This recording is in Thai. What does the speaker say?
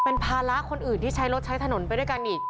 เป็นภาระคนอื่นที่ใช้รถใช้ถนนไปด้วยกันอีก